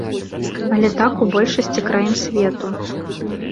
Але так у большасці краін свету.